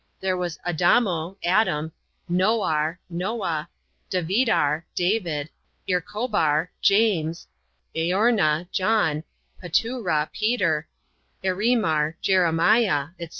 There was Adamo (Adam), Nooar (Noah), Daveedar (David), Earcobar (James), Eoma (John), Patoora (Peter), Ereemear (JeremiahX &c.